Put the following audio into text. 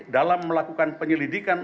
dalam melakukan penyelidikan